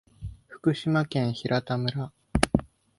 福島県平田村